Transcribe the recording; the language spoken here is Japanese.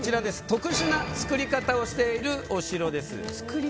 特殊な造り方をしているお城なんです。